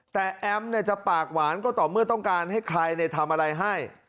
แต่แอมจะปากหวานก็ต่อเมื่อต้องการให้ใครทำอะไรให้